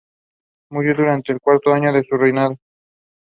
Both men were legal Australian permanent residents prior to their jail sentences.